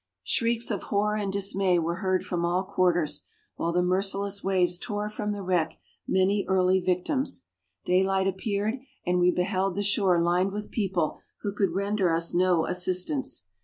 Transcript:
Shrieks of horror and dismay were heard from all quarters, while the merciless waves tore from the wreck many early victims. Day light appeared, and we beheld the shore lined with people who could render us no assistance.